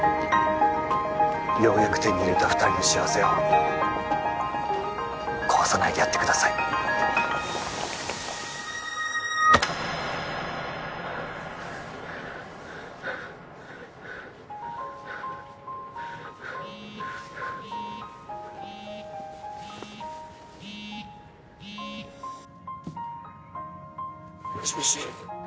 ようやく手に入れた二人の幸せを壊さないでやってください☎もしもし？